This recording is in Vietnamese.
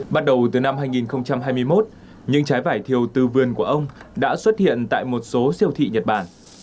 bắt đầu từ năm hai nghìn hai mươi một nhưng trái vải thiều từ vườn của ông đã xuất hiện tại một số siêu thị nhật bản